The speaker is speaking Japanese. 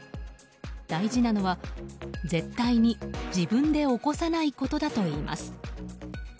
大事なのは絶対に自分で起こさないことだといいます。